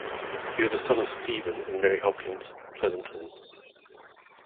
He was the son of Stephen and Mary Hopkins Pleasonton.